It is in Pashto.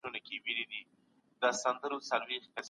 مهرباني د انسانيت ښکلا ده.